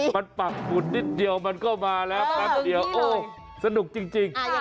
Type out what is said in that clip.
มันปักหมุนนิดเดียวมันก็มาแล้วแป๊บเดียวโอ้สนุกจริง